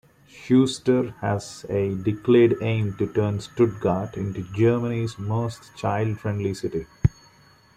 Schuster has a declared aim to turn Stuttgart into Germany's most child-friendly city.